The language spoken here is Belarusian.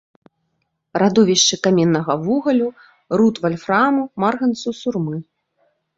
Радовішчы каменнага вугалю, руд вальфраму, марганцу, сурмы.